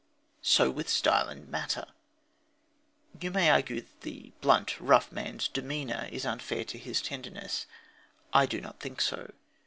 So with style and matter. You may argue that the blunt, rough man's demeanour is unfair to his tenderness. I do not think so.